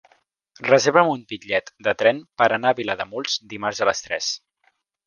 Reserva'm un bitllet de tren per anar a Vilademuls dimarts a les tres.